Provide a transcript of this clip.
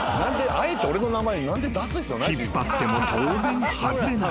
［引っ張っても当然外れない］